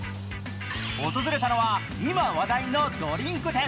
訪れたのは今、話題のドリンク店。